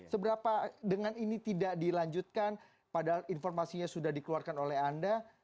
seberapa dengan ini tidak dilanjutkan padahal informasinya sudah dikeluarkan oleh anda